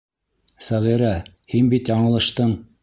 Сәғирә, һин бит яңылыштың.